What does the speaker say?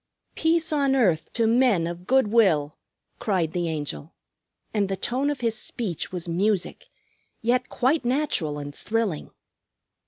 "Peace on earth to men of good will!" cried the Angel, and the tone of his speech was music, yet quite natural and thrilling.